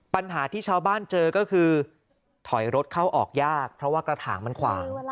ปัญหาที่ชาวบ้านเจอก็คือถอยรถเข้าออกยากเพราะว่ากระถางมันขวาง